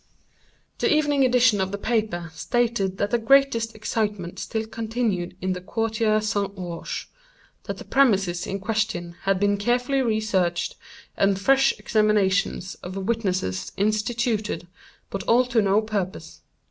The evening edition of the paper stated that the greatest excitement still continued in the Quartier St. Roch—that the premises in question had been carefully re searched, and fresh examinations of witnesses instituted, but all to no purpose.